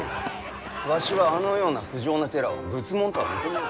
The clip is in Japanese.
わしはあのような不浄な寺を仏門とは認めぬ。